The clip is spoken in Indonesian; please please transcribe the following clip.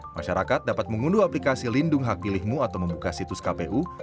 masyarakat dapat mengunduh aplikasi lindung hak pilihmu atau membuka situs kpu